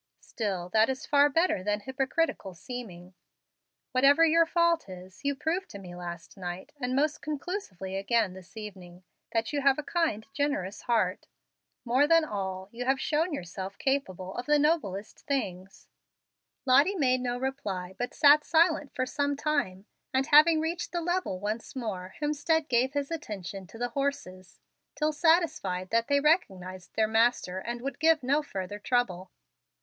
Still that is far better than hypocritical seeming. Whatever your fault is, you proved to me last night, and most conclusively again this evening, that you have a kind, generous heart. More than all, you have shown yourself capable of the noblest things." Lottie made no reply, but sat silent for some time; and, having reached the level once more, Hemstead gave his attention to the horses, till satisfied that they recognized their master and would give no further trouble.